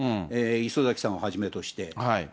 礒崎さんをはじめとして。